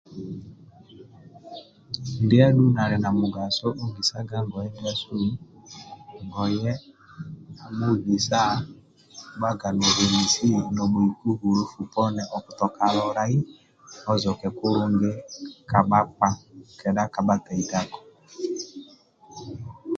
Ndia adhu nali na mugaso ogisaga ngoye ndiasu nogye ko ogisa okubhaga nobenisi nobhoiku bulofu poni okutoka lolai ozoke kulungi ka bhakpa kedha ka bhataidako